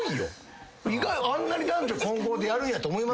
あんなに男女混合でやるんやと思いましたよね？